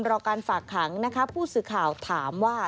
รอการฝากขังนะคะผู้สื่อข่าวถามว่า